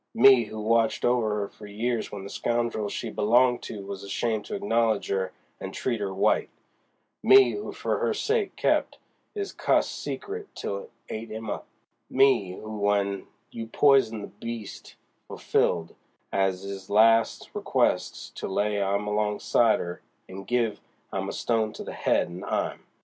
—me who had watched over 'er for years w'en the scoundrel she belonged to was ashamed to acknowledge 'er and treat 'er white!—me who for her sake kept 'is cussed secret till it ate 'im up!—me who w'en you poisoned the beast fulfilled 'is last request to lay 'im alongside 'er and give 'im a stone to the head of 'im!